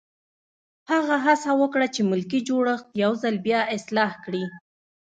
هغه هڅه وکړه چې ملکي جوړښت یو ځل بیا اصلاح کړي.